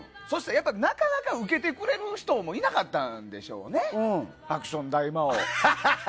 そしたら、やっぱりなかなか受けてくれる人もいなかったんでしょうね、ハクション大魔王。